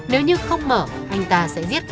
nếu như không mở anh ta sẽ giết cả nhà